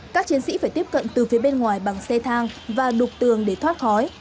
các chiến sĩ phải tiếp cận từ phía bên ngoài bằng xe thang và đục tường để thoát khói